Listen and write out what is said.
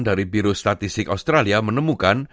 dari biro statistik australia menemukan